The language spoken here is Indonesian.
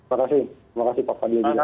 terima kasih pak fadil juga